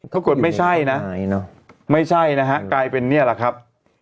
ปรากฏไม่ใช่นะไม่ใช่นะฮะกลายเป็นเนี่ยแหละครับ